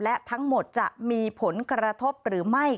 และทั้งหมดจะมีผลกระทบหรือไม่